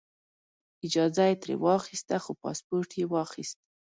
اجازه یې ترې واخیسته خو پاسپورټ یې واخیست.